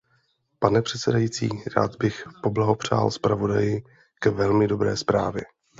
Pane předsedající, rád bych poblahopřál zpravodaji k velmi dobré zprávě.